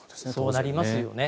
そうなりますよね。